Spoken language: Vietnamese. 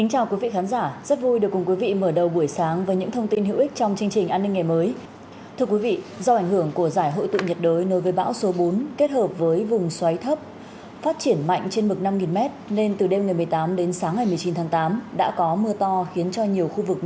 hãy đăng ký kênh để ủng hộ kênh của chúng mình nhé